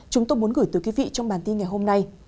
chúng tôi muốn gửi tới quý vị trong bản tin ngày hôm nay